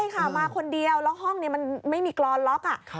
ใช่ค่ะมาคนเดียวแล้วห้องนี้มันไม่มีกรอนล็อก